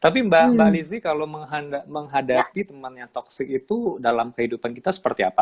tapi mbak lizzie kalau menghadapi teman yang toxic itu dalam kehidupan kita seperti apa